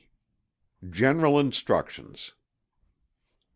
GENERAL INSTRUCTIONS.